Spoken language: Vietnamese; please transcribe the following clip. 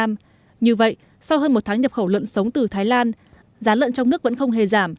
như vậy sau hơn một tháng nhập khẩu lợn sống từ thái lan giá lợn trong nước vẫn không hề giảm